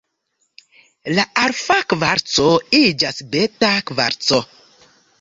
La alfa kvarco iĝas beta kvarco.